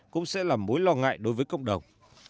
cũng sẽ là mối lo ngại đối với cộng đồng